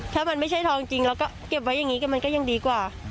ถ้ามันไม่ใช่ทองจริงเราก็เก็บไว้อย่างนี้ก็มันก็ยังดีกว่า